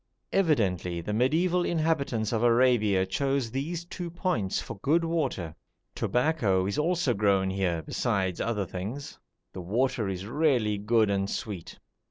Evidently the mediæval inhabitants of Arabia chose these two points for good water. Tobacco is also grown here, besides other things. The water is really good and sweet.